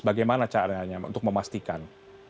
bagaimana caranya untuk memastikan